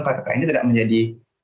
kpk ini tidak menjadi